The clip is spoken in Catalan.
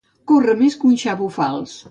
Córrer més que un xavo fals.